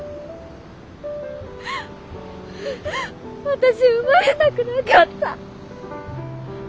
私生まれたくなかった。